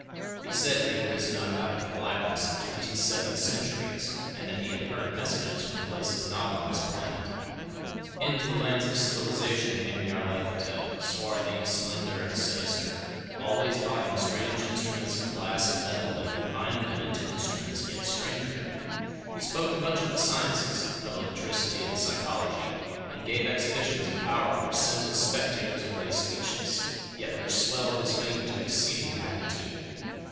He said he had risen up out of the blackness of twenty seven centuries, and that he had heard messages from places not on this planet. Into the lands of civilisation came Nyarlathotep, swarthy, slender, and sinister, always buying strange instruments of glass and metal and combining them into instruments yet stranger. He spoke much of the sciences—of electricity and psychology—and gave exhibitions of power which sent his spectators away speechless, yet which swelled his fame to exceeding magnitude.